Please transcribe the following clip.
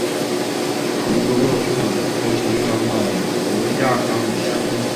盲蛛目是蛛形纲跑足亚纲以下的一个目。